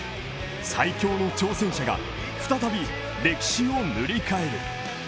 最強の挑戦者が再び歴史を塗り替える。